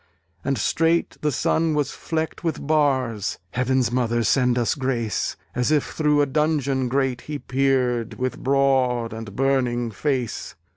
And straight the Sun was flecked with bars (Heaven's Mother send us grace!) As if through a dungeon grate he peered With broad and burning face.